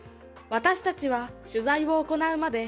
私たちは取材を行うまで